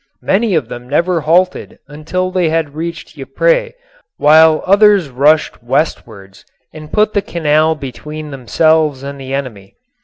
Many of them never halted until they had reached Ypres, while others rushed westwards and put the canal between themselves and the enemy.